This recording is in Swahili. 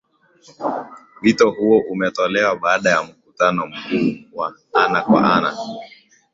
wito huo umetolewa baada ya mkutano mkuu wa ana kwa ana